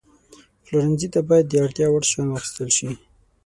پلورنځي ته باید د اړتیا وړ شیان واخیستل شي.